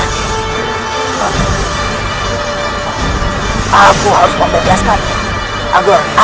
aku harus membebaskan